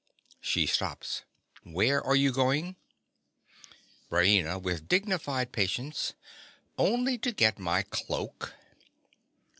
(She stops.) Where are you going? RAINA. (with dignified patience). Only to get my cloak.